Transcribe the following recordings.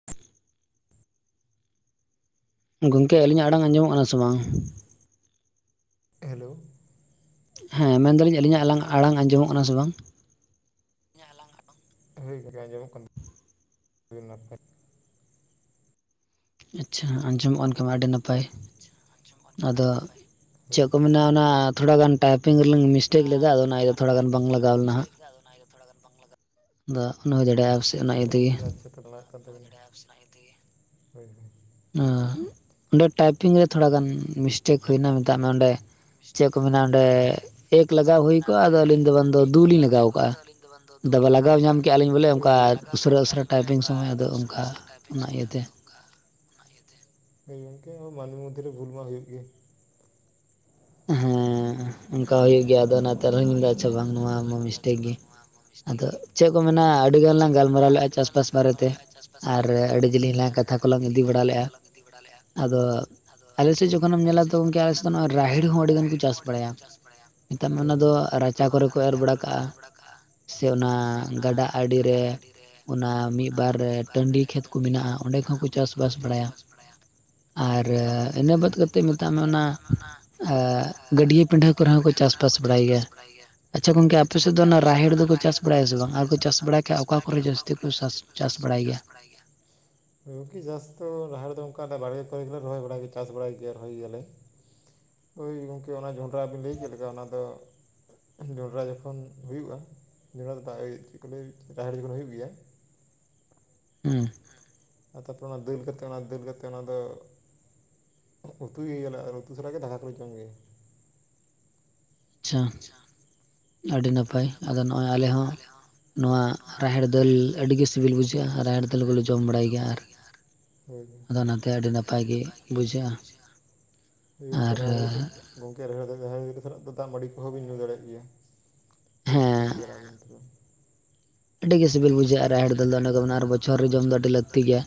[unintelligible] ᱜᱚᱝᱠᱮ ᱟᱹᱞᱤᱧ ᱟᱜ ᱟᱲᱟᱝ ᱟᱸᱡᱚ ᱢᱚᱜ ᱠᱟᱱᱟ ᱥᱮ ᱵᱟᱝ? ᱦᱮᱞᱳ ᱦᱮᱸ ᱢᱮᱱ ᱫᱟᱞᱤᱧ ᱟᱹᱞᱤᱧ ᱟᱜ ᱟᱞᱟᱝ ᱟᱲᱟᱝ ᱟᱸᱡᱚ ᱢᱚᱜ ᱠᱟᱱᱟ ᱥᱮ ᱵᱟᱝ? ᱦᱩᱭ ᱟᱸᱡᱚ ᱢᱚᱜ [unintelligible] ᱟᱪᱪᱷᱟ ᱟᱸᱡᱚᱢᱚᱜ ᱠᱟᱱ ᱠᱷᱟᱱ ᱟᱹᱰᱤ ᱱᱟᱯ ᱯᱟᱭ, ᱟᱫᱚ ᱪᱮᱫ ᱠᱚ ᱢᱮᱱᱟ ᱚᱱᱟ ᱛᱷᱚᱲᱟ ᱜᱟᱱ ᱟᱫᱚ ᱚᱱᱟ ᱛᱷᱚᱲᱟ ᱜᱟᱱ ᱴᱟᱭᱯᱤᱝ ᱨᱮᱞᱟᱝ ᱴᱤᱥᱴᱮᱠ ᱟᱫᱚ ᱛᱷᱚᱲᱟ ᱜᱟᱱ ᱵᱟᱝ ᱞᱟᱜᱟᱜ [inaudible] ᱫᱟᱜ ᱚᱱᱟ ᱦᱩᱭ ᱫᱟᱲᱮᱭᱟᱜᱼᱟ᱾ [unintelligible] ᱚᱸᱰᱮ ᱴᱟᱭᱯᱤᱝ ᱨᱮ ᱛᱷᱚᱲᱟ ᱜᱟᱱ [inaudible] ᱪᱮᱠ ᱦᱩᱭᱱᱟ [unintelligible] ᱪᱮᱫ ᱢᱮᱱᱟ ᱚᱸᱰᱮ ᱮᱠ ᱞᱟᱜᱟᱣ ᱦᱳᱭ ᱠᱚᱜ ᱟ ᱟᱞᱤᱧ ᱫᱚ ᱫᱩ ᱞᱤᱧ ᱞᱟᱜᱟ ᱞᱟᱜᱟᱣ ᱠᱟᱜᱼᱟ ᱟᱫᱚ ᱞᱟᱜᱟᱣ ᱧᱟᱢ ᱠᱮᱜᱼᱟ ᱞᱤᱧ ᱵᱚᱞᱮ ᱚᱱᱠᱟ ᱩᱥᱟᱹᱨᱟ ᱩᱥᱟᱹᱨᱟ ᱴᱟᱭᱯᱤᱝ ᱥᱚᱢᱚᱭ ᱟᱫᱚ ᱚᱱᱠᱟ ᱚᱱᱟ ᱤᱭᱟᱹ ᱛᱮ᱾ ᱦᱮᱸ ᱜᱚᱝᱠᱮ ᱢᱟᱱᱢᱤ ᱢᱩᱫᱽ ᱨᱮ ᱵᱷᱩᱞ ᱢᱟ ᱦᱩᱭᱩᱜ ᱜᱮᱭᱟ᱾ [inaudible] ᱦᱮᱸ ᱚᱱᱠᱟ ᱦᱩᱭᱩᱜ ᱜᱮᱭᱟ ᱟᱫᱚ ᱚᱱᱟᱛᱮ ᱟᱨᱦᱚᱸ ᱤᱧ ᱢᱮᱱᱫᱟ ᱟᱪᱪᱷᱟ ᱵᱟᱝ ᱱᱚᱣᱟ ᱢᱟ ᱢᱤᱥᱴᱮᱠ ᱜᱮ, ᱟᱫᱚ ᱪᱮᱫ ᱠᱚ ᱢᱮᱱᱟ ᱟᱹᱰᱤ ᱜᱟᱱ ᱞᱟᱝ ᱜᱟᱞᱢᱟᱨᱟᱣ ᱞᱮᱜᱼᱟ ᱪᱟᱥ ᱵᱟᱥ ᱵᱟᱨᱮ ᱛᱮ ᱟᱨ ᱟᱹᱰᱤ ᱡᱤᱞᱤᱧ ᱞᱟᱝ ᱠᱟᱛᱷᱟ ᱠᱚ ᱞᱟᱝ ᱤᱫᱤ ᱵᱟᱲᱟ ᱞᱮᱫᱼᱟ᱾ ᱤᱫᱤ ᱵᱟᱲᱟ ᱞᱮᱫᱼᱟ ᱟᱫᱚ ᱟᱞᱮ ᱥᱮᱫ ᱡᱚᱠᱷᱚᱱ ᱮᱢ ᱧᱮᱞ ᱟ ᱛᱚ ᱜᱚᱝᱠᱮ ᱟᱞᱮ ᱦᱚᱸ ᱨᱟᱦᱮᱲ ᱦᱚᱸ ᱟᱹᱰᱤᱜᱟᱱ ᱪᱟᱥ ᱵᱟᱲᱟᱭᱟ ᱢᱮᱛᱚ ᱢᱮ ᱚᱱᱟ ᱫᱚ ᱨᱟᱪᱟ ᱠᱚᱨᱮ ᱠᱚ ᱮᱨ ᱵᱟᱲᱟ ᱠᱟᱜᱼᱟ᱾ ᱥᱮ ᱚᱱᱟ ᱜᱟᱰᱟ ᱟᱲᱮ ᱨᱮ ᱚᱱᱟ ᱢᱤᱫ ᱵᱟᱨ ᱨᱮ ᱴᱟᱸᱰᱤ ᱠᱷᱮᱛ ᱠᱚ ᱢᱮᱱᱟᱜᱼᱟ᱾ ᱚᱸᱰᱮ ᱠᱷᱚᱱ ᱦᱚᱸ ᱠᱚ ᱪᱟᱥ ᱵᱟᱥ ᱵᱟᱲᱟᱭᱟ, ᱟᱨ ᱤᱱᱟᱹ ᱵᱟᱫ ᱠᱟᱛᱮᱫ ᱢᱮᱛᱟᱜ ᱢᱟ ᱚᱱᱟ ᱜᱟᱹᱰᱤᱭᱟᱹ ᱯᱤᱰᱷᱟᱹ ᱜᱟᱹᱰᱤᱭᱟᱹ ᱯᱤᱰᱷᱟᱹ ᱠᱚᱨᱮ ᱦᱚᱸ ᱠᱚ ᱪᱟᱥ ᱵᱟᱥ ᱵᱟᱲᱟᱭ ᱜᱮᱭᱟ, ᱟᱪᱪᱷᱟ ᱜᱚᱝᱠᱮ ᱟᱯᱮ ᱥᱮᱫ ᱫᱚ ᱨᱟᱦᱮᱲ ᱫᱚ ᱠᱚ ᱪᱟᱥ ᱵᱟᱲᱟᱭᱟ ᱥᱮ ᱵᱟᱝ? ᱟᱨ ᱠᱚ ᱪᱟᱥ ᱵᱟᱲᱟᱭ ᱠᱷᱟᱡ ᱚᱠᱟ ᱠᱚᱨᱮ ᱡᱟᱹᱥᱛᱤ ᱠᱚ ᱪᱟᱥ ᱪᱟᱥ ᱵᱟᱲᱟᱭ ᱜᱮᱭᱟ? ᱜᱚᱝᱠᱮ ᱪᱟᱥ ᱫᱚ ᱞᱟᱦᱟ ᱫᱚ ᱚᱱᱠᱟ ᱫᱚ ᱵᱟᱲᱜᱮ ᱠᱚ ᱨᱮ ᱜᱮ ᱞᱮ ᱨᱚᱦᱚᱭ ᱵᱟᱲᱟᱭ ᱜᱮᱭᱟ, ᱪᱟᱥ ᱵᱟᱲᱟᱭ ᱜᱮ ᱨᱚᱦᱚᱭ ᱜᱮᱭᱟᱞᱮ᱾ ᱦᱳᱭ ᱜᱚᱝᱠᱮ ᱚᱱᱟ ᱡᱚᱱᱰᱨᱟ ᱵᱤᱱ ᱞᱟᱹᱭ ᱠᱮᱫ ᱞᱮᱠᱟ ᱚᱱᱟ ᱫᱚ ᱡᱚᱸᱰᱨᱟ ᱡᱚᱠᱷᱚᱱ ᱦᱩᱭᱩᱜᱼᱟ ᱡᱚᱸᱰᱨᱟ ᱫᱚ ᱪᱮᱫ ᱠᱚ ᱞᱟᱹᱭ ᱨᱟᱦᱮᱲ ᱡᱚᱠᱷᱚᱱ ᱦᱩᱭᱩᱜ ᱜᱮᱭᱟ᱾ [unintelligible] ᱟᱨ ᱛᱟᱯᱚᱨᱮ ᱚᱱᱟ ᱫᱟᱹᱞ ᱠᱟᱛᱮᱫ ᱚᱱᱟ ᱫᱟᱹᱞ ᱠᱟᱛᱮᱫ ᱚᱱᱟ ᱫᱚ ᱩᱛᱩᱭ ᱜᱮᱭᱟ ᱞᱮ ᱟᱨ ᱩᱛᱩ ᱥᱟᱞᱟᱜ ᱜᱮ ᱫᱟᱠᱟ ᱠᱚᱞᱮ ᱡᱚᱢ ᱜᱮᱭᱟ᱾ ᱟᱪᱪᱷᱟ, ᱟᱹᱰᱤ ᱱᱟᱯᱟᱭ ᱟᱫᱚ ᱟᱫᱚ ᱱᱚᱜᱼᱚᱭ ᱟᱞᱮ ᱦᱚᱸ ᱱᱚᱣᱟ ᱨᱟᱦᱮᱲ ᱫᱟᱹᱞ ᱟᱹᱰᱤ ᱜᱤ ᱥᱤᱵᱤᱞ ᱵᱩᱡᱷᱟᱹᱜᱼᱟ ᱨᱟᱦᱮᱲ ᱫᱟᱹᱞ ᱠᱚᱞᱮ ᱡᱚᱢ ᱵᱟᱲᱟᱭ ᱜᱮᱭᱟ᱾ ᱟᱨ [inaudible] ᱜᱚᱝᱠᱮ ᱨᱮᱦᱟᱲ [unintelligible] ᱫᱟᱜ ᱢᱟᱹᱰᱤ ᱠᱚᱦᱚᱸ ᱵᱤᱱ ᱫᱟᱲᱮᱭᱟᱜ ᱜᱮᱭᱟ᱾ [unintelligible] ᱟᱹᱰᱤ ᱜᱮ ᱥᱤᱵᱤᱞ ᱵᱩᱡᱷᱟᱹᱜᱼᱟ ᱟᱨ ᱨᱟᱦᱮᱲ ᱫᱟᱹᱞ ᱫᱚ ᱚᱱᱟ ᱠᱚ ᱢᱮᱱᱼᱟ ᱟᱨ ᱵᱚᱪᱷᱚᱨ ᱨᱮ ᱡᱚᱢ ᱫᱚ ᱟᱹᱰᱤ ᱞᱟᱹᱠᱛᱤ ᱜᱮᱭᱟ᱾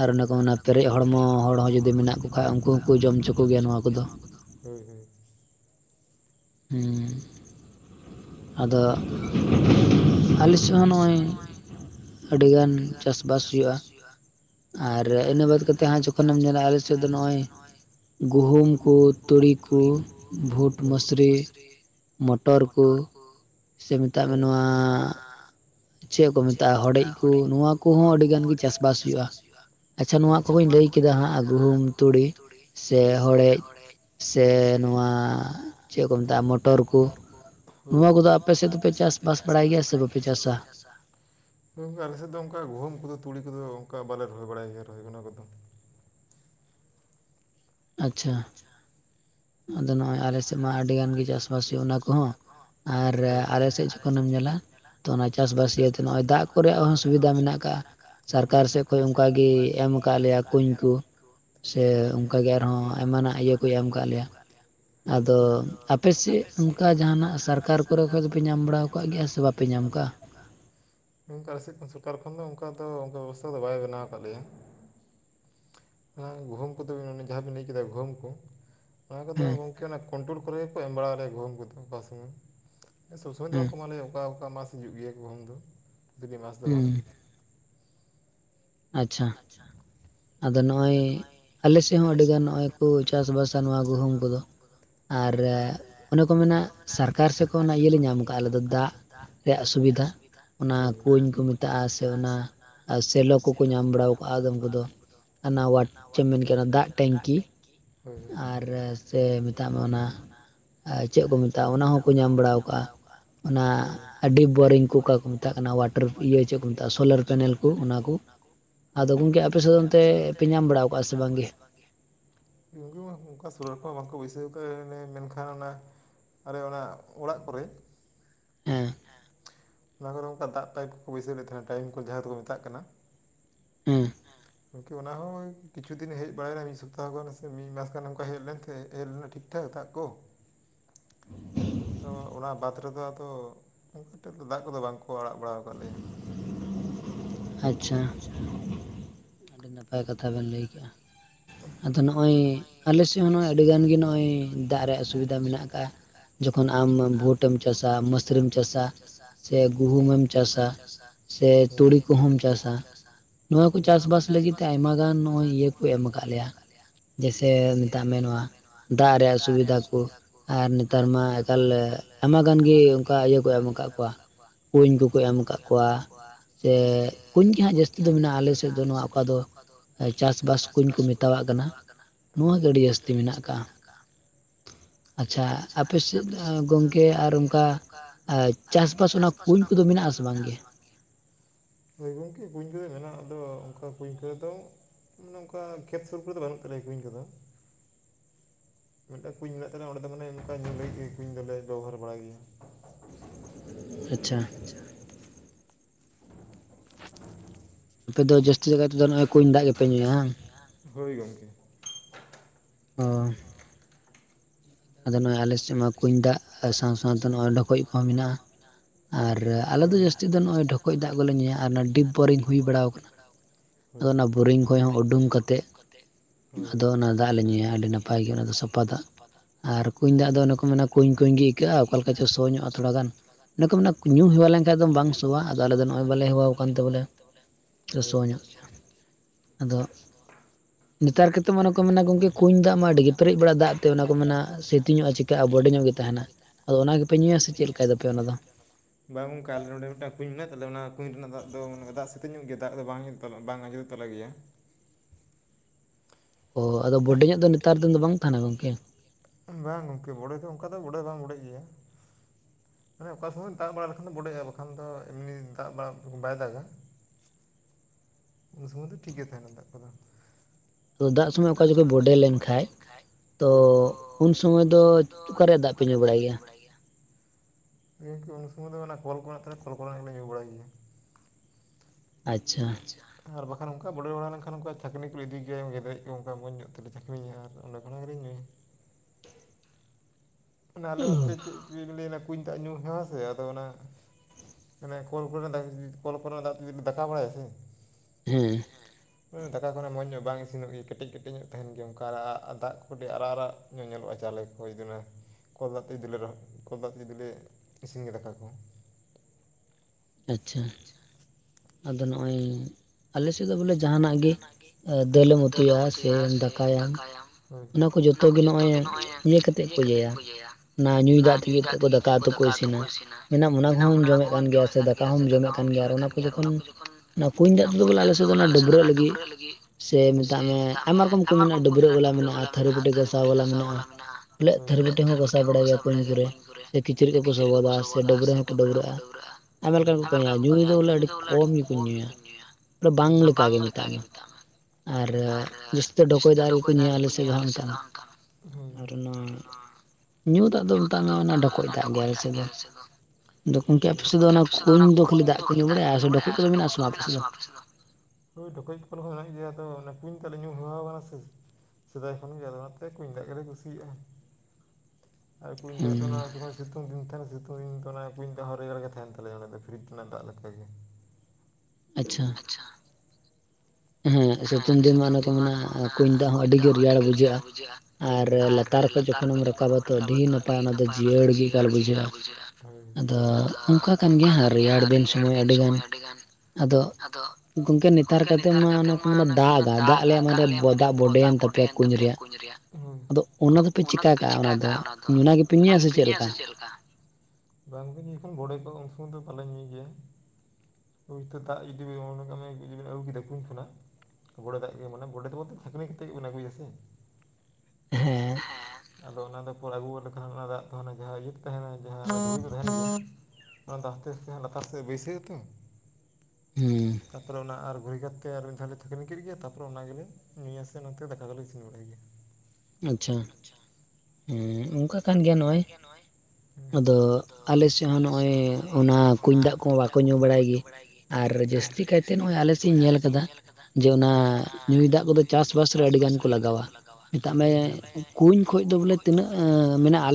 ᱟᱨ ᱚᱱᱮ ᱠᱚ ᱢᱮᱱᱼᱟ ᱚᱱᱟ ᱯᱮᱨᱮᱡ ᱦᱚᱲᱢᱚ ᱦᱚᱲ ᱦᱚᱸ ᱡᱩᱫᱤ ᱢᱮᱱᱟᱜ ᱠᱚ ᱠᱷᱟᱡ ᱩᱱ ᱠᱩ ᱦᱚᱸ ᱠᱚ ᱡᱚᱢ ᱦᱚᱪᱚ ᱠᱚ ᱜᱮᱭᱟ ᱱᱚᱣᱟ ᱠᱚᱫᱚ᱾ ᱦᱩᱸ ᱟᱫᱚᱼᱼ ᱟᱞᱮ ᱥᱮᱫ ᱦᱚᱸ ᱱᱚᱜ-ᱚᱭ ᱟᱹᱰᱤᱜᱟᱱ ᱪᱟᱥ-ᱵᱟᱥ ᱦᱩᱭᱩᱜ-ᱟ ᱟᱨ ᱤᱱᱟᱹ ᱵᱟᱫ ᱠᱟᱛᱮᱫ ᱦᱟᱸᱜ ᱡᱚᱠᱷᱚᱱᱮᱢ ᱧᱮᱞᱟ ᱟᱞᱮ ᱥᱮᱫ ᱫᱚ ᱱᱚᱜ-ᱚᱭᱼᱼ ᱜᱩᱦᱩᱢ ᱠᱚ ᱛᱩᱲᱤ ᱠᱚ ᱵᱷᱩᱛ ᱢᱟᱹᱥᱨᱤᱼᱼ ᱢᱚᱴᱚᱨ ᱠᱩ ᱥᱮ ᱢᱮᱛᱟᱜ ᱢᱮ ᱱᱚᱣᱟᱼᱼ ᱪᱮᱫ ᱠᱚ ᱢᱮᱛᱟᱜ-ᱟ ᱦᱚᱲᱮᱡ ᱠᱩ ᱱᱚᱣᱟ ᱠᱚᱦᱚᱸ ᱟᱹᱰᱤ ᱜᱟᱱ ᱜᱮ ᱪᱟᱥ-ᱵᱟᱥ ᱦᱩᱭᱩᱜ-ᱟ᱾ ᱟᱪᱪᱷᱟ ᱱᱚᱣᱟ ᱠᱚᱦᱚᱸᱧ ᱞᱟᱹᱭ ᱠᱮᱫᱟ ᱦᱟᱸᱜ ᱜᱩᱦᱩᱢ, ᱛᱩᱲᱤ ᱦᱚᱭ ᱥᱮ ᱦᱚᱲᱮᱡᱼᱼ ᱥᱮ ᱱᱚᱣᱟ ᱪᱮᱫ ᱠᱚ ᱢᱮᱛᱟᱜ-ᱟ ᱢᱚᱴᱚᱨ ᱠᱩ᱾ ᱱᱚᱣᱟ ᱠᱚᱫᱚ ᱟᱯᱮ ᱥᱮᱫᱼᱼ ᱪᱟᱥ-ᱵᱟᱥ ᱵᱟᱲᱟᱭ ᱜᱮᱭᱟ ᱥᱮ ᱵᱟᱯᱮ ᱪᱟᱥᱟ? ᱜᱚᱝᱠᱮ ᱟᱞᱮ ᱥᱮᱫ ᱫᱚ ᱚᱱᱠᱟ ᱜᱚᱦᱚᱢ ᱠᱚᱫᱚ ᱛᱩᱲᱤ ᱠᱚᱫᱚ ᱚᱱᱠᱟ ᱵᱟᱞᱮ ᱨᱚᱦᱚᱭ ᱵᱟᱲᱟᱭ ᱜᱮᱭᱟ ᱨᱚᱦᱚᱭ ᱚᱱᱟ ᱠᱚᱫᱚ᱾ ᱟᱪᱪᱷᱟᱼᱼ ᱟᱫᱚ ᱱᱚᱜ-ᱚᱭ ᱟᱞᱮ ᱥᱮᱫ ᱢᱟ ᱟᱹᱰᱤ ᱜᱟᱱ ᱜᱮ ᱪᱟᱥ-ᱵᱟᱥ ᱦᱩᱭᱩᱜ-ᱟ ᱚᱱᱟ ᱠᱚᱦᱚᱸ, ᱟᱨ ᱟᱞᱮ ᱥᱮᱫ ᱡᱚᱠᱷᱚᱱᱮᱢ ᱧᱮᱞᱟᱼᱼ ᱛᱚ ᱚᱱᱟ ᱪᱟᱥ-ᱵᱟᱥ ᱤᱭᱟᱹᱛᱮ ᱱᱚᱜᱚᱭ ᱫᱟᱜ ᱠᱚᱨᱮ ᱦᱚᱸ ᱥᱩᱵᱤᱫᱟ ᱢᱮᱱᱟᱜ ᱟᱠᱟᱜ-ᱟ ᱥᱚᱨᱠᱟᱨ ᱥᱮᱫ ᱠᱷᱚᱡ ᱚᱱᱠᱟ ᱜᱮ ᱮᱢᱼᱼ ᱠᱟᱜ ᱞᱮᱭᱟ ᱠᱩᱧ ᱠᱚ ᱥᱮ ᱚᱱᱠᱟᱜᱮ ᱟᱨᱦᱚᱸ ᱟᱭᱢᱟᱱᱟᱜ ᱤᱭᱟᱹ ᱠᱩᱭ ᱮᱢ ᱠᱟᱜ ᱞᱮᱭᱟ᱾ ᱦᱩᱸ ᱟᱫᱚ ᱟᱯᱮᱥᱮᱫ ᱚᱱᱠᱟ ᱡᱟᱦᱟᱸᱱᱟᱜ ᱥᱟᱨᱠᱟᱨ ᱠᱚᱨᱮ ᱠᱷᱚᱡ ᱯᱮ ᱧᱟᱢ ᱵᱟᱲᱟ ᱠᱟᱜ ᱜᱮᱭᱟ ᱥᱮ ᱵᱟᱯᱮ ᱧᱟᱢᱼᱼ? ᱟ ᱜᱚᱝᱠᱮ ᱟᱞᱮ ᱥᱮᱫ ᱠᱷᱚᱱ ᱥᱚᱨᱠᱟᱨ ᱠᱷᱚᱱ ᱫᱚ ᱚᱱᱠᱟ ᱫᱚ ᱚᱱᱠᱟ ᱵᱮᱵᱚᱥᱛᱷᱟ ᱫᱚ ᱵᱟᱭ ᱵᱮᱱᱟᱣ ᱟᱠᱟᱫ ᱞᱮᱭᱟ᱾ ᱱᱚᱣᱟ ᱜᱩᱦᱩᱢ ᱠᱚᱫᱚ ᱡᱟᱦᱟᱸᱵᱤᱱ ᱞᱟᱹᱭ ᱠᱮᱫᱟ ᱜᱩᱦᱩᱢ ᱠᱚ ᱚᱱᱟ ᱠᱚᱫᱚ ᱜᱚᱝᱼᱼ ᱠᱮ ᱚᱱᱟ ᱠᱩᱱᱴᱳᱲ ᱠᱚᱨᱮ ᱜᱮᱠᱚ ᱮᱢ ᱵᱟᱲᱟ ᱟᱞᱮᱭᱟ ᱜᱩᱦᱩᱢ ᱠᱚᱫᱚ ᱚᱠᱟ ᱥᱩᱢᱚᱭ ᱥᱚᱵ ᱥᱚᱢᱚᱭ ᱫᱚ ᱵᱟᱝ ᱠᱚ ᱮᱢᱟᱞᱮᱭᱟ, ᱚᱠᱟ ᱚᱠᱟ ᱢᱟᱥᱼᱼ ᱦᱤᱡᱩᱜ ᱜᱮᱭᱟ ᱜᱩᱦᱩᱢ ᱫᱚ, ᱡᱚᱫᱤ ᱢᱟᱥ ᱫᱚ ᱵᱟᱝᱼᱼ ᱟᱪᱪᱷᱟ ᱟᱪᱪᱷᱟ ᱟᱫᱚ ᱱᱚᱜᱚᱭ ᱟᱞᱮ ᱥᱮᱫ ᱦᱚᱸ ᱟᱹᱰᱤᱜᱟᱱ ᱱᱚᱜᱚᱭ ᱠᱚ ᱪᱟᱥ ᱵᱟᱥᱟ ᱱᱚᱣᱟ ᱜᱩᱦᱩᱢ ᱠᱚᱫᱚ᱾ ᱟᱨ ᱚᱱᱮ ᱠᱚ ᱢᱮᱱᱟ ᱥᱟᱨᱠᱟᱨ ᱥᱮᱫ ᱠᱷᱚᱱ ᱚᱱᱟ ᱤᱭᱟᱹ ᱞᱮ ᱧᱟᱢ ᱟᱠᱟᱫᱟ ᱟᱞᱮᱫᱚ ᱫᱟᱜ᱾ ᱨᱮᱭᱟᱜ ᱥᱩᱵᱤᱫᱷᱟ ᱚᱱᱟ ᱠᱩᱧ ᱠᱚ ᱢᱮᱛᱟᱜ-ᱟ, ᱥᱮ ᱚᱱᱟ ᱥᱮᱞᱚ ᱠᱚᱠᱚ ᱧᱟᱢ ᱵᱟᱲᱟᱣᱼᱼ ᱟᱫᱚᱢ ᱠᱚᱫᱚᱼᱼ ᱟᱱᱟ ᱣᱟᱴ ᱪᱮᱜ ᱮᱢ ᱢᱮᱱ ᱠᱮᱫᱟ ᱫᱟᱜ ᱴᱮᱝᱠᱤᱼᱼ ᱟᱨ ᱥᱮ ᱢᱮᱛᱟᱜ ᱢᱮ ᱚᱱᱟᱼᱼ ᱟ ᱪᱮᱜ ᱠᱚ ᱢᱮᱛᱟᱜ-ᱟ ᱚᱱᱟ ᱦᱚᱸᱠᱩ ᱧᱟᱢ ᱵᱟᱲᱟᱣ ᱠᱟᱜ-ᱟ᱾ ᱚᱱᱟ ᱟᱹᱰᱤ ᱵᱳᱨᱤᱝ ᱠᱩ ᱚᱠᱟ ᱠᱚ ᱢᱮᱛᱟᱜ ᱠᱟᱱᱟ ᱳᱣᱟᱴᱟᱨ ᱤᱭᱟᱹ ᱪᱮᱫ ᱠᱚ ᱢᱮᱛᱟᱜ-ᱟ ᱥᱳᱞᱟᱨ ᱯᱮᱱᱮᱞ ᱠᱩ ᱚᱱᱟ ᱠᱩᱼᱼ ᱟᱫᱚ ᱜᱚᱢᱠᱮ ᱟᱯᱮ ᱥᱮᱫ ᱫᱚ ᱚᱱᱛᱮᱼᱼ ᱛᱮ ᱯᱮ ᱧᱟᱢ ᱵᱟᱲᱟᱣ ᱠᱟᱜ-ᱟ ᱥᱮ ᱵᱟᱝᱜᱮ? [unintelligible] ᱚᱱᱠᱟ ᱥᱚᱞᱟᱨ ᱠᱚᱢᱟ ᱵᱟᱝᱠᱚ ᱵᱟᱹᱭᱥᱟᱹᱣ ᱠᱟᱜ-ᱟ ᱢᱮᱱᱠᱷᱟᱱ ᱚᱱᱟᱼᱼ ᱟᱨᱮ ᱚᱱᱟ ᱚᱲᱟᱜ ᱠᱚᱨᱮᱼᱼ ᱱᱚᱣᱟ ᱠᱚᱨᱮ ᱚᱱᱠᱟ ᱫᱟᱜ ᱯᱟᱭᱤᱯ ᱠᱚᱠᱚ ᱵᱟᱹᱭᱥᱟᱹᱣ ᱞᱮᱫ ᱛᱟᱦᱮᱸᱱᱟ ᱴᱟᱭᱤᱢ ᱠᱚᱞ ᱡᱟᱦᱟᱸ ᱫᱚᱠᱚ ᱢᱮᱛᱟᱜ-ᱠᱟᱱᱟ᱾ ᱩᱸ ᱠᱤ ᱚᱱᱟ ᱦᱚᱸ ᱠᱤᱪᱷᱩ ᱫᱤᱱᱮ ᱦᱮᱡ ᱵᱟᱲᱟᱭᱮᱱᱟ ᱢᱤᱫ ᱥᱚᱯᱛᱟᱦᱚ ᱜᱟᱱ ᱥᱮ ᱢᱤᱫ ᱢᱟᱥ ᱜᱟᱱ ᱚᱱᱠᱟ ᱦᱮᱡ ᱞᱮᱱ ᱛᱟᱦᱮᱡ [inaudible] ᱨᱮᱱᱟᱜ ᱴᱷᱤᱠᱼᱼ [unintelligible] ᱠᱟᱜ-ᱠᱚ [inaudible] ᱛᱚ ᱚᱱᱟ ᱵᱟᱫᱽ ᱨᱮᱫᱚ ᱟᱫᱚ [unintelligible] ᱛᱮ ᱫᱟᱜ ᱠᱚᱫᱚ ᱵᱟᱝᱠᱚ ᱟᱲᱟᱜ ᱵᱟᱲᱟ ᱟᱠᱟᱫ ᱞᱮᱭᱟ᱾ ᱟᱪᱪᱷᱟ ᱟᱹᱰᱤ ᱱᱟᱯᱟᱭ ᱠᱟᱛᱷᱟ ᱵᱤᱱ ᱞᱟᱹᱭ ᱠᱮᱜ-ᱟ᱾ ᱟᱫᱚ ᱱᱚᱜ-ᱚᱭ ᱟᱞᱮ ᱥᱮᱜ ᱦᱚᱸ ᱱᱚᱜᱚᱭ ᱟᱹᱰᱤ ᱜᱟᱱ ᱜᱮ ᱱᱚᱜ-ᱚᱭ ᱫᱟᱜ ᱨᱮᱭᱟᱜ ᱚᱥᱩᱵᱤᱫᱷᱟ ᱢᱮᱱᱟᱜ ᱠᱟᱜ-ᱟ᱾ ᱡᱚᱠᱷᱚᱱ ᱟᱢ ᱵᱷᱳᱴ ᱮᱢ ᱪᱟᱥᱟ ᱢᱟᱥᱨᱤᱢ ᱪᱟᱥᱟ ᱥᱮ ᱜᱩᱦᱩᱢ ᱮᱢ ᱪᱟᱥᱟᱼᱼ ᱥᱮ ᱛᱩᱲᱤ ᱠᱚᱦᱚᱸᱢ ᱪᱟᱥᱟ ᱱᱚᱣᱟ ᱠᱚ ᱪᱟᱥ ᱵᱟᱥ ᱞᱟᱹᱜᱤᱫ ᱛᱮ ᱟᱭᱢᱟ ᱜᱟᱱ ᱱᱚᱜᱚᱭ ᱤᱭᱟᱹᱼᱼ ᱠᱚ ᱮᱢ ᱠᱟᱜ ᱞᱮᱭᱟ᱾ ᱡᱮᱭᱥᱮ ᱢᱮᱛᱟᱜ ᱢᱮ ᱱᱚᱣᱟ ᱫᱟᱜ᱾ ᱨᱮᱭᱟᱜ ᱥᱩᱵᱤᱫᱷᱟ ᱠᱩ ᱟᱨ ᱱᱮᱛᱟᱨ ᱢᱟᱼᱼ [unintelligible] ᱟᱭᱢᱟ ᱜᱟᱱ ᱜᱮ ᱚᱱᱠᱟ ᱤᱭᱟᱹ ᱠᱚ ᱮᱢ ᱠᱟᱜ ᱠᱚᱣᱟ᱾ ᱠᱩᱧ ᱠᱚᱠᱚ ᱮᱢ ᱠᱟᱜ-ᱠᱚᱣᱟ, ᱪᱮ ᱠᱩᱧ ᱜᱮ ᱦᱟᱸᱜ ᱡᱟᱹᱥᱛᱤ ᱫᱚ ᱢᱮᱱᱟᱜ-ᱟ ᱟᱞᱮ ᱥᱮᱫ ᱫᱚ ᱱᱚᱣᱟ ᱚᱠᱟ ᱫᱚ ᱪᱟᱥᱵᱟᱥ ᱠᱩᱼᱼ [unintelligible] ᱢᱮᱛᱟᱣ ᱟᱜ ᱠᱟᱱᱟ ᱱᱚᱣᱟ ᱜᱮ ᱟᱹᱰᱤ ᱡᱟᱹᱥᱛᱤ ᱢᱮᱱᱟᱜ ᱠᱟᱜ-ᱟ᱾ [inaudible] ᱟᱪᱪᱷᱟ ᱟᱯᱮ ᱥᱮᱫ ᱜᱚᱝᱠᱮ ᱟᱨ ᱚᱝᱠᱟ ᱪᱟᱥ ᱵᱟᱥ ᱚᱱᱟ ᱠᱩᱧ ᱠᱚᱫᱚ ᱢᱮᱱᱟᱜᱼᱟ ᱥᱮ ᱵᱟᱝ ᱜᱮ? ᱦᱚᱭ ᱜᱚᱝᱠᱮ ᱠᱩᱧ ᱠᱚ ᱫᱚ ᱢᱮᱱᱟᱜᱼᱟ ᱫᱚ ᱚᱝᱠᱟ ᱠᱩᱧ ᱠᱚ ᱨᱮ ᱫᱚ ᱱᱚᱝᱠᱟ ᱠᱷᱮᱛ ᱥᱩᱨ ᱠᱚᱨᱮ ᱫᱚ ᱵᱟᱹᱱᱩᱜ ᱛᱟᱞᱮᱭᱟ ᱠᱩᱧ ᱠᱚᱫᱚ᱾ ᱢᱤᱫᱴᱮᱱ ᱠᱩᱧ ᱢᱮᱱᱟᱜ ᱛᱟᱞᱮᱭᱟ ᱚᱸᱰᱮ ᱫᱚ ᱢᱟᱱᱮ ᱱᱚᱝᱠᱟ ᱧᱩ ᱞᱟᱜᱤᱫ ᱫᱚᱞᱮ ᱵᱮᱵᱚᱦᱟᱨ ᱵᱟᱲᱟᱭ ᱜᱮᱭᱟ᱾ ᱟᱪᱪᱷᱟ ᱪᱷᱟ [inaudible] ᱟᱯᱮ ᱫᱚ ᱡᱟᱹᱥᱛᱤ ᱡᱟᱭᱜᱟ ᱛᱮᱫᱚ ᱱᱚᱭ [unintelligible] ᱦᱳᱭ ᱜᱚᱝᱠᱮ ᱚ ᱟᱫᱚ ᱱᱚᱜᱼᱚᱭ ᱟᱞᱮᱥᱮᱜ ᱢᱟ ᱠᱩᱸᱧ ᱫᱟᱜ ᱫᱟᱜ ᱟ ᱥᱟᱶ ᱥᱟᱶᱛᱮ ᱱᱚᱣᱟ ᱠᱩᱧ ᱦᱚᱸ ᱢᱮᱱᱟᱜᱼᱟ᱾ ᱟᱨ ᱟᱞᱮ ᱫᱚ ᱡᱟᱹᱥᱛᱤ ᱫᱚ ᱱᱚᱜᱼᱚᱭ ᱰᱷᱚᱠᱚᱡ ᱫᱟᱜ ᱠᱚᱞᱮ ᱧᱩᱭᱟ ᱟᱨ ᱰᱤᱯ ᱵᱳᱨᱤᱝ ᱦᱩᱭ ᱵᱟᱲᱟ ᱠᱟᱱᱟ᱾ ᱦᱳᱭ ᱟᱫᱚ ᱚᱱᱟ ᱵᱩᱨᱤᱝ ᱠᱚᱭ ᱦᱚᱸ ᱩᱰᱩᱝ ᱠᱟᱛᱮᱜ ᱟᱫᱚ ᱚᱱᱟ ᱫᱟᱜ ᱞᱮ ᱧᱩᱭᱟ ᱟᱹᱰᱤ ᱱᱟᱯᱟᱭ ᱜᱮ ᱚᱱᱟ ᱫᱚ ᱥᱟᱯᱷᱟ ᱫᱟᱜ᱾ ᱟᱨ ᱠᱩᱧ ᱫᱟᱜ ᱫᱚ ᱚᱱᱮ ᱠᱚ ᱢᱮᱱᱟ ᱠᱩᱧ, ᱠᱩᱧ ᱜᱮ ᱟᱹᱭᱠᱟᱹᱜᱼᱟ ᱚᱠᱟ ᱞᱮᱠᱟ ᱪᱚᱝ ᱥᱚ ᱧᱚᱜᱼᱟ ᱛᱷᱚᱲᱟᱜᱟᱱ᱾ ᱚᱱᱮ ᱠᱚ ᱢᱮᱱᱟ ᱧᱩ ᱦᱮᱣᱟ ᱞᱮᱱᱠᱷᱟᱱ ᱫᱚ ᱵᱟᱝ ᱥᱚᱼᱣᱟ ᱟᱞᱮ ᱫᱚ ᱱᱚᱜᱼᱚᱭ ᱵᱟᱞᱮ ᱦᱮᱣᱟ ᱠᱟᱱᱛᱮ ᱵᱚᱞᱮ ᱛᱚ ᱥᱚ ᱧᱚᱜ ᱜᱮᱭᱟ ᱟᱫᱚ ᱱᱮᱛᱟᱨ ᱠᱟᱛᱮᱜ ᱢᱟ ᱚᱱᱮ ᱠᱚ ᱢᱮᱱᱟ ᱜᱚᱢᱠᱮ ᱠᱩᱸᱧ ᱫᱟᱜ ᱢᱟ ᱟᱹᱰᱤ ᱜᱮ ᱯᱮᱨᱮᱡ ᱵᱟᱲᱟ ᱫᱟᱜ ᱛᱮ ᱚᱱᱟ ᱠᱚ ᱢᱮᱱᱟ ᱥᱮᱛᱮᱧᱚᱜᱼᱟ ᱪᱤᱠᱟᱹᱜᱼᱟ ᱵᱚᱰᱮ ᱧᱚᱜ ᱜᱮ ᱛᱟᱦᱮᱱᱟ ᱟᱫᱚ ᱚᱱᱟ ᱜᱮᱯᱮ ᱧᱩᱭᱟ ᱥᱮ ᱪᱮᱜ ᱞᱮᱠᱟᱭ ᱫᱟᱯᱮ ᱚᱱᱟᱫᱚ? ᱵᱟᱝ ᱜᱚᱝᱠᱮ ᱟᱞᱮ ᱱᱚᱸᱰᱮ ᱢᱤᱫᱴᱟᱝ ᱠᱩᱸᱧ ᱢᱮᱱᱟᱜ ᱛᱟᱞᱮ ᱚᱱᱟ ᱠᱩᱧ ᱨᱮᱱᱟᱜ ᱫᱟᱜ ᱫᱚ ᱟᱱᱮ ᱫᱟᱜ ᱥᱮᱛᱮᱧᱚᱜ ᱜᱮᱭᱟ, ᱫᱟᱜ ᱫᱚ ᱵᱟᱝ ᱧᱩᱜ ᱵᱟᱝ ᱟᱸᱡᱮᱫᱚᱜ ᱛᱟᱞᱮ ᱜᱮᱭᱟ᱾ ᱚ ᱟᱫᱚ ᱵᱚᱰᱮ ᱧᱚᱜ ᱫᱚ ᱱᱮᱛᱟᱨ ᱫᱤᱱ ᱫᱚ ᱵᱟᱝ ᱛᱟᱦᱮᱱᱟ ᱜᱚᱝᱠᱮ? ᱵᱟᱝ ᱜᱚᱝᱠᱮ ᱵᱚᱲᱮ ᱫᱚ ᱚᱝᱠᱟ ᱫᱚ ᱵᱚᱲᱮ ᱫᱚ ᱵᱟᱝ ᱵᱚᱲᱮᱜ ᱜᱮᱭᱟ᱾ ᱢᱟᱱᱮ ᱚᱠᱟ ᱥᱚᱢᱚᱭ ᱫᱟᱜ ᱵᱟᱲᱟ ᱞᱮᱠᱷᱟᱱ ᱫᱚ ᱵᱚᱰᱮᱜᱼᱟ ᱵᱟᱠᱷᱟᱱ ᱫᱚ ᱮᱢᱱᱤ ᱫᱟᱜ ᱵᱟᱲᱟ ᱵᱟᱭ ᱫᱟᱜᱟ᱾ ᱩᱱ ᱥᱚᱢᱚᱭ ᱫᱚ ᱴᱷᱤᱠ ᱜᱮ ᱛᱟᱦᱮᱱᱟ ᱫᱟᱜ ᱠᱚᱫᱚ᱾ ᱛᱚ ᱫᱟᱜ ᱥᱚᱢᱚᱭ ᱚᱠᱟ ᱡᱚᱠᱷᱚᱡ ᱵᱚᱰᱮ ᱞᱮᱱ ᱠᱷᱟᱱᱡ ᱛᱚ ᱩᱱ ᱥᱚᱢᱚᱭ ᱫᱚ ᱚᱠᱟᱨ ᱨᱮᱭᱟᱜ ᱫᱟᱜ ᱯᱮ ᱧᱩ ᱵᱟᱲᱟᱭ ᱜᱮᱭᱟ? ᱩᱱ ᱥᱚᱢᱚᱭ ᱫᱚ ᱚᱱᱟ ᱠᱚᱞ ᱠᱚᱱᱟ ᱛᱮ ᱠᱚᱞ ᱠᱚ ᱧᱩ ᱵᱟᱲᱟᱭ ᱜᱮᱭᱟ᱾ ᱟᱪᱪᱷᱟ ᱟᱨ ᱵᱟᱠᱷᱟᱱ ᱚᱝᱠᱟ ᱵᱩᱲᱮ ᱵᱟᱲᱟ ᱞᱮᱱᱠᱷᱟᱱ ᱚᱝᱠᱟ ᱪᱷᱟᱹᱠᱱᱤ ᱠᱚ ᱞᱮ ᱤᱫᱤᱭ ᱜᱮᱭᱟ ᱜᱮᱸᱫᱨᱮᱡ ᱠᱚ ᱚᱝᱠᱟ ᱢᱚᱡ ᱧᱚᱜ ᱛᱮᱞᱮ ᱪᱷᱟᱹᱠᱱᱤᱭᱟ ᱟᱨ ᱚᱸᱰᱮ ᱠᱷᱚᱱ ᱜᱮᱞᱮ ᱧᱩᱭᱟ᱾ ᱚᱱᱟ ᱟᱞᱮ ᱱᱚᱛᱮ ᱪᱮᱫ ᱪᱮᱫ ᱞᱟᱹᱭᱱᱟ ᱠᱩᱸᱧ ᱫᱟᱜ ᱧᱩ ᱦᱮᱣᱟ ᱥᱮ ᱟᱫᱚ ᱚᱱᱟ ᱢᱟᱱᱮ ᱠᱚᱞ ᱠᱚᱨᱮᱱᱟ ᱰᱟ ᱠᱚᱞ ᱠᱚᱨᱮᱱᱟ ᱫᱟᱜ ᱛᱮ ᱫᱟᱠᱟ ᱵᱟᱲᱟᱭᱟ ᱥᱮ ᱦᱩᱸ ᱫᱟᱠᱟ ᱠᱚ ᱚᱱᱟ ᱢᱚᱸᱡᱽ ᱧᱚᱜ ᱵᱟᱝ ᱤᱥᱤᱱᱚᱜ ᱜᱮᱭᱟ ᱠᱮᱹᱴᱮᱡ, ᱠᱮᱹᱴᱮᱡ ᱧᱚᱜ ᱛᱟᱦᱮᱱ ᱜᱮᱭᱟ ᱚᱝᱠᱟ ᱟ-ᱟᱨᱟᱜ ᱫᱟᱜ ᱠᱚ ᱠᱟᱹᱴᱤ ᱟᱨ-ᱟᱨᱟᱜ ᱧᱮ-ᱧᱮᱞᱚᱜᱼᱟ ᱪᱟᱣᱞᱮ ᱠᱚ ᱡᱩᱫᱤ ᱱᱟᱹ ᱠᱚᱞ ᱫᱟᱜ ᱛᱮ ᱡᱩᱫᱤ ᱨᱚᱦ ᱠᱚᱞ ᱫᱟᱜ ᱛᱮ ᱡᱩᱫᱤ ᱞᱮ ᱤᱥᱤᱱ ᱜᱮᱭᱟ ᱫᱟᱠᱟ ᱠᱚ ᱟᱪᱪᱷᱟ ᱟᱫᱚ ᱱᱚᱜᱼᱚᱭ ᱟᱞᱮ ᱥᱮᱫ ᱫᱚ ᱵᱚᱞᱮ ᱡᱟᱦᱟᱱᱟᱜ ᱜᱮ ᱫᱟᱹᱞᱮᱢ ᱩᱛᱩᱭᱟ ᱥᱮ ᱫᱟᱠᱟᱭᱟᱢ ᱚᱱᱟ ᱠᱚ ᱡᱚᱛᱚᱜᱮ ᱱᱚᱜᱼᱚᱭ ᱤᱭᱟᱹ ᱠᱟᱛᱮᱜ ᱠᱚ ᱤᱭᱟᱹᱭᱟ ᱚᱱᱟ ᱧᱩᱭ ᱫᱟᱜ ᱛᱮᱜᱮ ᱮᱛᱜ ᱫᱟᱠᱟ ᱩᱛᱩ ᱠᱚ ᱤᱥᱤᱱᱟ ᱢᱮᱱᱟᱢ ᱚᱱᱟ ᱠᱚᱦᱚᱸᱧ ᱡᱚᱢᱮᱫ ᱠᱟᱱ ᱜᱮᱭᱟ ᱥᱮ ᱫᱟᱠᱟᱦᱚᱢ ᱡᱚᱢᱮᱫ ᱠᱟᱱ ᱜᱮᱭᱟ ᱟᱨ ᱚᱱᱟ ᱡᱚᱠᱷᱚᱱ ᱚᱱᱟ ᱠᱩᱧ ᱫᱟᱜ ᱛᱮᱫᱚ ᱵᱚᱞᱮ ᱟᱞᱮ ᱥᱮᱫ ᱫᱚ ᱰᱟᱹᱵᱽᱨᱟᱹᱜ ᱞᱟᱹᱜᱤᱫ᱾ ᱥᱮ ᱢᱮᱛᱟᱜ ᱢᱮ ᱟᱭᱢᱟ ᱨᱚᱠᱚᱢ ᱠᱚ ᱢᱮᱱᱟᱜᱼᱟ ᱰᱟᱹᱵᱽᱨᱟᱹᱜ ᱵᱟᱞᱟ ᱢᱮᱱᱟᱜᱼᱟ ᱛᱷᱟᱹᱨᱤᱵᱟᱹᱴᱤ ᱜᱟᱥᱟᱣ ᱵᱟᱞᱟ ᱢᱮᱱᱟᱜᱼᱟ᱾ ᱞᱮᱜᱛᱷᱟᱹᱨᱤ ᱵᱟᱹᱴᱤ ᱦᱚᱸᱠᱚ ᱜᱟᱥᱟᱣ ᱵᱟᱲᱟᱭ ᱜᱮᱭᱟ ᱠᱩᱧ ᱠᱚᱨᱮ ᱥᱮ ᱠᱤᱪᱨᱤᱡ ᱠᱚᱠᱚ ᱥᱚᱵᱚᱫᱟ ᱥᱮ ᱰᱟᱹᱵᱽᱨᱟᱹ ᱦᱚᱸᱠᱚ ᱰᱟᱹᱵᱽᱨᱟᱹᱜᱼᱟ᱾ ᱟᱭᱢᱟ ᱞᱮᱠᱟᱱ ᱠᱚ ᱠᱟᱢᱤᱭᱟ ᱧᱩᱭ ᱫᱚ ᱵᱚᱞᱮ ᱟᱹᱰᱤ ᱠᱚᱢ ᱜᱮᱠᱚ ᱧᱩᱭᱟ᱾ ᱦᱚᱸ ᱵᱟᱝ ᱮᱞᱟᱜᱮ ᱢᱮᱛᱟᱜ ᱢᱮ᱾ ᱟᱨ ᱡᱟᱹᱥᱛᱤ ᱫᱚ ᱰᱷᱠᱚᱡ ᱫᱟᱜ ᱜᱮᱠᱚ ᱧᱩᱭᱟ ᱟᱞᱮ ᱥᱮᱫ ᱫᱚ ᱦᱟᱸᱜ ᱢᱮᱛᱟᱜ ᱢᱮ᱾ ᱟᱨ ᱚᱱᱟ ᱧᱩ ᱫᱟᱜ ᱫᱚ ᱢᱮᱛᱟᱜ ᱢᱮ ᱚᱱᱟ ᱰᱷᱚᱠᱚᱡ ᱫᱟᱜ ᱜᱮ ᱟᱞᱮ ᱥᱮᱜ ᱫᱚ ᱾ [inaudible] ᱠᱩᱧ ᱫᱚ ᱠᱷᱟᱹᱞᱤ ᱫᱟᱜ ᱧᱩ ᱵᱟᱲᱟᱜᱼᱟ ᱥᱮ ᱰᱚᱠᱚᱡ ᱠᱚᱫᱚ ᱢᱮᱱᱟᱜ ᱟᱥ ᱵᱟᱝ ᱟᱯᱮ ᱥᱮᱫ ᱫᱚ? ᱦᱳᱭ, ᱰᱷᱚᱠᱚᱡ ᱠᱚᱞ ᱠᱚ ᱢᱮᱱᱟᱜ ᱜᱮᱭᱟ ᱟᱫᱚ ᱠᱩᱸᱧ ᱛᱮᱞᱮ ᱧᱩ ᱦᱮᱣᱟ ᱟᱠᱟᱱᱟ ᱥᱮ᱾ ᱥᱮᱸᱫᱟᱭ ᱠᱷᱚᱱ ᱜᱮ ᱠᱩᱸᱧ ᱫᱟᱜ ᱜᱮᱞᱮ ᱠᱩᱥᱤᱭᱟᱜᱼᱟ? [unintelligible] ᱟᱨ ᱠᱩᱸᱧ ᱫᱚᱜ ᱫᱚ ᱱᱟᱦᱟᱜ ᱥᱤᱛᱩᱝ ᱫᱤᱱ ᱛᱟᱦᱮᱱᱟ ᱥᱤᱛᱩᱝ ᱫᱤᱱ ᱫᱚ ᱚᱱᱟ ᱠᱩᱧ ᱫ ᱦᱚᱸ ᱨᱮᱟᱲ ᱜᱮ ᱛᱟᱦᱮᱱ ᱛᱟᱞᱮᱭᱟ ᱟᱞᱮᱭᱟᱜ ᱫᱚ ᱯᱷᱨᱤᱡ ᱨᱮᱱᱟᱜ ᱫᱟᱜ ᱞᱮᱠᱟᱜᱮ᱾ ᱟᱪᱪᱷᱟ᱾ ᱦᱮᱸ ᱥᱤᱛᱩᱝ ᱫᱤᱱ ᱢᱟ ᱚᱱᱮ ᱠᱚ ᱢᱮᱱᱟᱜ-ᱟ ᱠᱩᱧ ᱫᱟᱜ ᱦᱚᱸ ᱟᱹᱰᱤᱜᱮ ᱨᱮᱭᱟᱲ ᱵᱩᱡᱷᱟᱹᱜᱼᱟ᱾ ᱟᱨ ᱞᱟᱛᱟᱨ ᱠᱷᱚᱱ ᱡᱚᱠᱷᱚᱱ ᱮᱢ ᱨᱟᱠᱟᱵᱟ ᱛᱚ ᱟᱹᱰᱤ ᱱᱟᱯᱟᱭ ᱚᱱᱟ ᱫᱚ ᱡᱤᱭᱟᱹᱲ ᱜᱮ ᱮᱠᱟᱞ ᱵᱩᱡᱷᱟᱹᱜᱼᱟ᱾ ᱟᱫᱚ ᱚᱱᱠᱟ ᱠᱟᱱ ᱜᱮᱭᱟ ᱨᱮᱭᱟᱲ ᱫᱤᱱ ᱥᱚᱢᱚᱭ ᱟᱹᱰᱤ ᱜᱟᱱ ᱟᱫᱚ ᱜᱚᱝᱠᱮ ᱱᱮᱛᱟᱨ ᱠᱟᱛᱮᱫ ᱢᱟ ᱢᱮ ᱫᱟᱜᱼᱟ ᱫᱟᱜ ᱟ ᱢᱟᱱᱮ ᱫᱟᱜ ᱵᱚᱰᱮᱭᱮᱱ ᱛᱟᱯᱮᱭᱟ ᱠᱩᱧ ᱨᱮᱭᱟᱜ? ᱟᱫᱚ ᱚᱱᱟ ᱫᱚᱯᱮ ᱪᱤᱠᱟᱹ ᱠᱟᱜᱼᱟ ᱚᱱᱟ ᱫᱚ, ᱚᱱᱟ ᱜᱮᱯᱮ ᱧᱩᱭᱟ ᱥᱮ‌ ᱪᱮᱫ ᱞᱮᱠᱟ? ᱵᱟᱝ ᱵᱤᱱ ᱞᱩᱭ ᱠᱷᱚᱱ ᱵᱟᱞᱮ ᱠᱚᱜ ᱧᱩᱭ ᱜᱮᱭᱟ, ᱛᱳᱭ ᱛᱚ ᱫᱟᱜ ᱡᱩᱫᱤᱱ ᱟᱹᱜᱩ ᱠᱮᱫᱟ ᱠᱩᱧ ᱠᱷᱚᱱᱟᱜ, ᱜᱚᱰᱮᱛ [unintelligible] ᱫᱟᱜ ᱜᱮ ᱢᱟᱱᱮ ᱵᱚᱰᱮᱛ [unintelligible] ᱫᱚ ᱛᱷᱟᱹᱠᱱ [unintelligible] ᱠᱟᱛᱮᱫ ᱜᱮ ᱵᱚᱱ ᱟᱹᱜᱩᱭᱟ ᱥᱮ, ᱦᱮᱸ, ᱟᱫᱚ ᱚᱱᱟ ᱫᱚᱼᱼ ᱛᱟᱨᱯᱚᱨ ᱟᱹᱜᱩ ᱜᱚᱫ ᱞᱮᱠᱷᱟᱱ ᱚᱱᱟ ᱫᱟᱜ ᱛᱚ ᱡᱟᱦᱟᱸ ᱤᱭᱟᱸ ᱛᱮ ᱛᱟᱦᱮᱱᱟ ᱡᱟᱦᱟᱸ [inaudible] ᱛᱟᱦᱮᱸᱱᱟ, ᱚᱱᱟ ᱫᱚ ᱟᱥᱛᱮ ᱟᱥᱛᱮ ᱞᱟᱛᱟᱨ ᱥᱮᱫ ᱵᱟᱹᱭᱥᱟᱹᱜ ᱛᱚ ᱦᱮᱸ ᱛᱟᱯᱚᱨᱮ ᱚᱱᱟ ᱟᱨ ᱜᱷᱩᱨᱤ ᱠᱟᱛᱮ ᱟᱨ ᱢᱤᱫ ᱫᱷᱟᱞᱮ ᱠᱟᱛᱷᱟᱤᱠᱤᱨ ᱜᱮᱭᱟ ᱛᱟᱨᱯᱚᱨ ᱚᱱᱟ ᱜᱮᱞᱮ ᱧᱩᱭᱟᱹ ᱥᱮ ᱚᱱᱟ ᱛᱮ ᱫᱟᱠᱟ ᱫᱚᱞᱮ ᱤᱥᱤᱱ ᱵᱟᱲᱟᱭ ᱜᱮᱭᱟ᱾ ᱟᱪᱪᱷᱟ, ᱦᱮᱸ ᱚᱱᱠᱟᱼᱼ ᱩᱱᱠᱟ ᱟᱠᱟᱱ ᱜᱮᱭᱟ ᱱᱚᱜᱼᱚᱭ᱾ ᱟᱫᱚ ᱟᱞᱮ ᱥᱮᱫ ᱦᱚᱸ ᱱᱚᱜᱼᱚᱭ ᱚᱱᱟ ᱠᱩᱧ ᱫᱟᱜ ᱠᱚᱦᱚᱸ ᱵᱟᱠᱚ ᱧᱩ ᱵᱟᱲᱟᱭ ᱜᱮᱼᱼ ᱟᱨ ᱡᱟᱹᱥᱛᱤ ᱠᱟᱭᱛᱮ ᱱᱚᱜᱼᱚᱭ ᱟᱞᱮ ᱥᱮᱫ ᱤᱧ ᱧᱮᱞ ᱟᱠᱟᱫᱟ ᱡᱮ ᱚᱱᱟ ᱧᱩᱭ ᱫᱟᱜ ᱠᱚᱫᱚᱼᱼ ᱪᱟᱥ ᱵᱟᱥ ᱨᱮ ᱟᱹᱰᱤ ᱜᱟᱱ ᱠᱚ ᱞᱟᱜᱟᱣᱟ, ᱢᱮᱛᱟᱜ ᱢᱮ ᱠᱩᱧ ᱠᱷᱚᱡ ᱫᱚ ᱵᱚᱞᱮ ᱛᱤᱱᱟᱹᱜ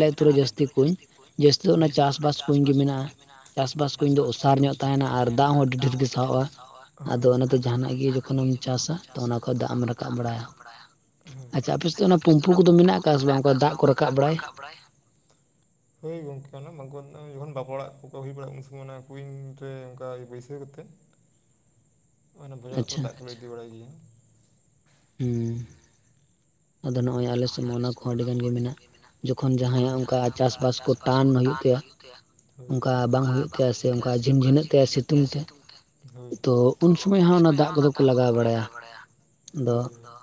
ᱢᱮᱱᱟᱜ-ᱟ, ᱟᱞᱮ ᱟᱹᱛᱩ ᱨᱮ ᱡᱟᱹᱥᱛᱤ ᱠᱩᱧ ᱡᱟᱹᱥᱛᱤ ᱚᱱᱟ ᱪᱟᱥᱵᱟᱥ ᱠᱩ ᱜᱮ ᱢᱮᱱᱟᱜ-ᱟ᱾ ᱪᱟᱥᱵᱟᱥ ᱠᱩᱸᱧ ᱫᱚ ᱚᱥᱟᱨ ᱧᱚᱜ ᱛᱟᱦᱮᱸᱱᱟ ᱟᱨ ᱫᱟᱜ ᱦᱚᱸ ᱟᱹᱰᱤ ᱰᱷᱮᱨ ᱜᱮ ᱥᱟᱦᱟᱣ [unintelligible] ᱼᱟ, ᱟᱫᱚ ᱚᱱᱟ ᱛᱮ ᱡᱟᱦᱟ ᱱᱟᱜ ᱜᱮ ᱡᱚᱠᱷᱚᱱᱮᱢ ᱪᱟᱥᱟ ᱛᱚ ᱚᱱᱟ ᱠᱷᱚᱡ ᱫᱟᱜ ᱮᱢ ᱨᱟᱠᱟᱵ ᱵᱟᱲᱟᱭᱼᱟ᱾ ᱦᱮᱸ ᱟᱪᱪᱷᱟ, ᱟᱯᱮ ᱥᱮᱫ ᱚᱱᱟ ᱯᱩᱱᱢᱯᱩ ᱠᱚᱫᱚ ᱢᱮᱱᱟᱜ ᱟᱠᱟᱫ ᱥᱮ ᱵᱟᱝ ᱫᱟᱜ ᱠᱚ ᱨᱟᱠᱟᱵ ᱵᱟᱲᱟᱭ? [unintelligible] ᱦᱳᱣ, ᱜᱚᱝᱠᱮ ᱚᱱᱟ ᱢᱟᱠᱚ ᱡᱚᱠᱷᱚᱱ ᱵᱟᱯᱞᱟ ᱚᱲᱟᱜ ᱠᱚᱠᱚ ᱦᱩᱭ ᱵᱟᱲᱟᱜᱼᱟ, ᱩᱱ ᱥᱚᱢᱚᱭ ᱚᱱᱟ ᱠᱩᱸᱧ ᱨᱮ ᱚᱱᱠᱟ ᱵᱟᱹᱭᱥᱟᱹᱣ ᱠᱟᱛᱮ ᱠᱟᱛᱮᱮᱫ [unintelligible] ᱚᱱᱮ ᱵᱷᱚᱡ ᱚᱲᱟᱜ ᱠᱚᱨᱮ ᱫᱟᱜ ᱠᱚᱞᱮ ᱤᱫᱤ ᱵᱟᱲᱟᱭ ᱜᱮᱭᱟ᱾ ᱦᱮᱸ ᱟᱫᱚ ᱱᱚᱜᱼᱚᱭ ᱟᱞᱮ ᱥᱮᱫ ᱢᱟ ᱚᱱᱟ ᱠᱚᱦᱚᱸ ᱟᱹᱰᱤ ᱜᱟᱱ ᱜᱮ ᱢᱮᱱᱟᱜᱼᱟ ᱡᱚᱠᱷᱚᱱ ᱡᱟᱦᱟᱸᱭᱟᱜ ᱚᱱᱠᱟ ᱪᱟᱥᱵᱟᱥ ᱠᱚ ᱴᱟᱱ ᱦᱩᱭᱩᱜᱼᱼ ᱛᱟᱭᱟ ᱚᱱᱠᱟ ᱵᱟᱝ ᱦᱩᱭᱩᱜ ᱛᱟᱭᱟ ᱥᱮ ᱚᱱᱠᱟ ᱡᱷᱤᱱᱡᱷᱤᱱᱟᱹᱜ ᱛᱟᱭᱟ ᱥᱤᱛᱩᱝ ᱛᱮ ᱛᱚ ᱩᱱ ᱥᱚᱢᱟᱹᱭ ᱦᱚᱸ ᱚᱱᱟ ᱫᱟᱜ ᱠᱚᱫᱚ ᱠᱚ ᱞᱟᱜᱟᱣ ᱵᱟᱲᱟᱭᱟ ᱟᱫᱚ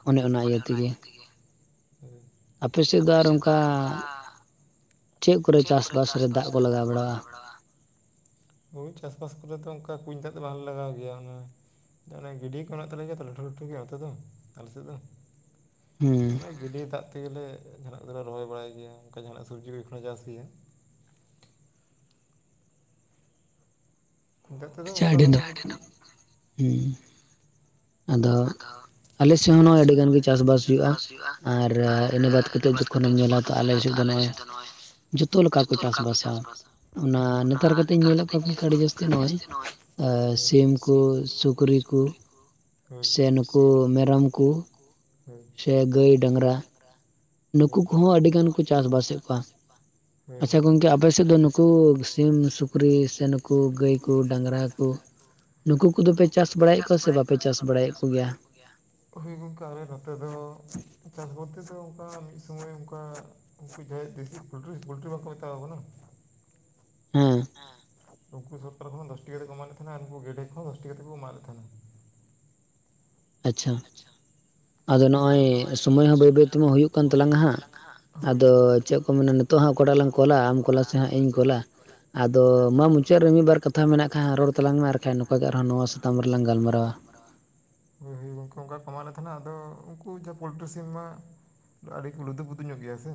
ᱚᱱᱮ ᱚᱱᱟ ᱤᱭᱟᱹ ᱛᱮᱜᱮ, ᱟᱯᱮ ᱥᱮᱫ ᱫᱚ ᱟᱨ ᱚᱱᱠᱟᱼᱼ ᱪᱮᱫ ᱠᱚᱨᱮ ᱪᱟᱥ ᱵᱟᱥ ᱨᱮ ᱫᱟᱜ ᱠᱚ ᱞᱟᱜᱟᱣ ᱵᱟᱲᱟᱜᱼᱟ? ᱦᱳᱣ, ᱪᱟᱥ ᱵᱟᱥ ᱠᱚᱨᱮ ᱫᱚ ᱚᱱᱠᱟ ᱠᱩᱸᱧ ᱫᱟᱜ ᱫᱚ ᱵᱟᱞᱮ ᱞᱟᱜᱟᱣ ᱜᱮᱭᱟ ᱚᱱᱮ, ᱮ ᱜᱟᱹᱰᱤᱭᱟᱹ ᱠᱚ ᱢᱮᱱᱟᱜ ᱛᱟᱞᱮ ᱜᱮᱭᱟ ᱛᱚ ᱞᱟᱹᱴᱩ ᱞᱟᱹᱴᱩ ᱜᱮᱭᱟ ᱱᱚᱛᱮ ᱫᱚ ᱟᱞᱮ ᱥᱮᱫ ᱫᱚ, ᱚᱱᱮ ᱜᱟᱹᱰᱤᱭᱟᱹ ᱫᱟᱜ ᱛᱮᱜᱮ ᱡᱟᱦᱟᱱᱟᱜ ᱫᱚ ᱞᱮ ᱨᱚᱦᱚᱭ ᱵᱟᱲᱟᱭ ᱜᱮᱭᱟ ᱚᱱᱠᱟᱱᱟᱜ ᱥᱚᱵᱡᱤ ᱠᱚ ᱠᱚᱮ ᱪᱟᱥ ᱦᱩᱭᱮᱱ᱾ ᱟᱪᱷᱟ ᱱᱟ ᱦᱚᱢ ᱟᱫᱚᱼᱼ ᱟᱞᱮ ᱥᱮᱫ ᱦᱚᱸ ᱟᱹᱰᱤ ᱜᱟᱱ ᱜᱮ ᱪᱟᱥᱵᱟᱥ ᱦᱩᱭᱩᱜ-ᱟ ᱟᱨ ᱤᱱᱟᱹ ᱵᱟᱫ ᱠᱟᱛᱮᱫ ᱡᱚᱠᱷᱚᱱ ᱮᱢ ᱧᱮᱞᱟ ᱛᱚ ᱟᱞᱮ ᱥᱮᱫ ᱫᱚ ᱱᱚᱜ-ᱚᱭ ᱡᱚᱛᱚ ᱞᱮᱠᱟ ᱠᱚ ᱪᱟᱥᱵᱟᱥᱟ ᱚᱱᱟ ᱱᱮᱛᱟᱨ ᱠᱟᱛᱮᱧ [unintelligible] ᱧᱮᱞᱮᱫ ᱠᱚᱣᱟ ᱡᱟᱹᱥᱛᱤ, ᱱᱚᱜᱼᱚᱭ ᱥᱤᱢ ᱠᱚ, ᱥᱩᱠᱨᱤ ᱠᱚ, ᱥᱮ ᱱᱩᱠᱩ ᱢᱮᱨᱚᱢ ᱠᱚ, ᱥᱮ ᱜᱟᱹᱭ ᱰᱟᱝᱨᱟ ᱱᱩᱠᱩ ᱠᱚᱸᱦᱚ ᱟᱹᱰᱤ ᱜᱟᱱ ᱠᱚ ᱪᱟᱥ ᱵᱟᱥᱮᱫ ᱠᱚᱣᱟ᱾ ᱟᱪᱪᱷᱟ ᱜᱚᱝᱠᱮ ᱟᱯᱮᱥᱮᱫ ᱫᱚ ᱱᱩᱠᱩ ᱥᱤᱢ ᱥᱩᱠᱨᱤ ᱥᱮ ᱱᱩᱠᱩ ᱜᱟᱹᱭ ᱠᱚ ᱰᱟᱝᱨᱟ ᱠᱚ᱾ ᱱᱩᱠᱩ ᱠᱚᱫᱚᱯᱮ ᱪᱟᱸᱥ ᱵᱟᱲᱟᱭᱮᱫ ᱠᱚᱣᱟ ᱥᱮ ᱵᱟᱯᱮ ᱪᱟᱥ ᱾ ᱪᱟᱥ ᱵᱟᱲᱟᱭᱮᱫ ᱦᱳ ᱜᱚᱝᱠᱮ ᱟᱞᱮ ᱱᱚᱛᱮ ᱫᱚ ᱪᱟᱥ ᱵᱚᱞᱛᱮ ᱫᱚ ᱚᱱᱠᱟ ᱢᱤᱫ ᱥᱚᱢᱚᱭ ᱚᱱᱠᱟ᱾ ᱩᱱᱠᱩ ᱡᱟᱸᱦᱟᱭ ᱫᱮᱥᱤ ᱯᱚᱞᱴᱨᱤ ᱵᱟᱝᱠᱚ ᱢᱮᱛᱟᱣ ᱟᱠ ᱠᱟᱱᱟ᱾ ᱦᱮᱸ ᱩᱱᱠᱩ ᱥᱚᱨᱠᱟᱨ ᱠᱷᱚᱱᱟᱜ ᱫᱚᱥᱴᱤ ᱠᱟᱛᱮ ᱠᱚ ᱮᱢᱟᱜᱫ ᱞᱮ ᱛᱟᱦᱮᱱᱟ ᱟᱨ ᱩᱱᱠᱩ ᱜᱮᱰᱮ ᱠᱚᱦ ᱫᱚᱥᱴᱤ ᱠᱟᱛᱮ ᱠᱚ ᱮᱢᱟᱜ ᱞᱮ ᱛᱟᱦᱮᱱᱟ᱾ ᱟᱪᱪᱷᱟ ᱟᱫᱚ ᱱᱚᱜ ᱚᱭ ᱥᱳᱢᱚᱭ ᱦᱚᱸ ᱵᱟᱹᱭ ᱵᱟᱹᱭ ᱛᱮᱢᱟ ᱦᱩᱭᱩᱜᱭ ᱠᱟᱱ ᱛᱟᱞᱟᱝ ᱦᱟᱸᱜ ᱟᱫᱚ ᱪᱮᱫ ᱠᱚ ᱢᱮᱱᱟ᱾ ᱛᱚ ᱦᱟᱜ ᱚᱠᱟᱴᱟᱜ ᱞᱟᱝ ᱠᱚᱞᱟ ᱟᱢ ᱠᱚᱞᱟ ᱥᱮ ᱦᱟᱸᱜ ᱤᱧ ᱠᱚᱞᱟ, ᱟᱫᱚ ᱢᱟ ᱢᱩᱪᱟᱹᱫ ᱨᱮ ᱢᱤᱫᱵᱟᱨ ᱠᱟᱛᱷᱟ᱾ ᱠᱟᱛᱷᱟ ᱢᱮᱱᱟᱜ ᱠᱷᱟᱱ ᱨᱚᱲ ᱛᱟᱞᱟᱝ ᱢᱮ ᱟᱨ ᱵᱟᱠᱷᱟᱱ ᱱᱚᱝᱠᱟ ᱟᱨᱦᱚᱸ ᱱᱚᱣᱟ ᱥᱟᱛᱟᱢ ᱨᱮ ᱞᱟᱝ ᱜᱟᱞᱢᱟᱨᱟᱣᱟ᱾ ᱦᱳᱭ ᱜᱚᱢᱠᱮ ᱚᱱᱠᱟ ᱠᱚ ᱮᱢᱟᱞᱮ ᱛᱟᱸᱦᱮᱱᱟ ᱟᱫᱚ᱾ ᱩᱱᱠᱩ ᱡᱟᱸᱦᱟ ᱯᱳᱞᱴᱨᱤ ᱥᱤᱢ ᱢᱟ ᱟᱹᱰᱤ ᱠᱚ ᱞᱩᱫᱟᱹ ᱯᱩᱫᱩ ᱧᱚᱜ ᱜᱮᱭᱟ ᱥᱮ᱾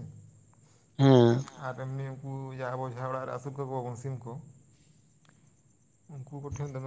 ᱟᱨ ᱮᱢᱱᱤ ᱩᱱᱠᱩ ᱟᱵᱚ ᱡᱟᱸᱦᱟᱭ ᱚᱲᱟᱜ ᱨᱮ ᱟᱹᱥᱩᱞ ᱠᱟᱠᱚᱣᱟ ᱵᱚᱱ ᱥᱤᱢ ᱠᱚ, ᱩᱱᱠᱩ ᱠᱚᱴᱷᱮᱱ ᱫᱚᱢᱮ᱾